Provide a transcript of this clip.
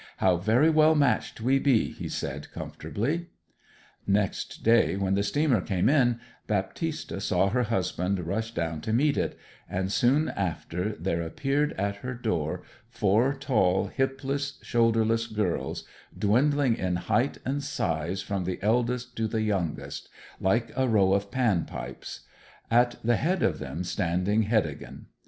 'How very well matched we be!' he said, comfortably. Next day, when the steamer came in, Baptista saw her husband rush down to meet it; and soon after there appeared at her door four tall, hipless, shoulderless girls, dwindling in height and size from the eldest to the youngest, like a row of Pan pipes; at the head of them standing Heddegan.